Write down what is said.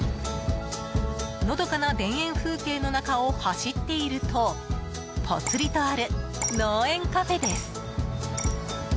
のどかな田園風景の中を走っているとぽつりとあるのうえんカフェです。